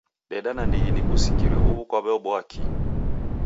Deda nandighi nikusikire uw'u kwaweboa kii?